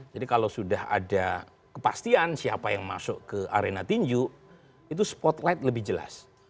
jadi kalau sudah ada kepastian siapa yang masuk ke arena tinju itu spotlight lebih jelas